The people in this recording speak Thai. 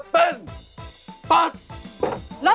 ตกรอบนะครับ